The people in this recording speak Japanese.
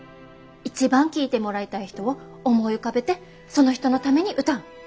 一番聴いてもらいたい人を思い浮かべてその人のために歌う。